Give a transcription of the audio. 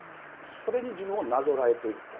それに自分をなぞらえていると。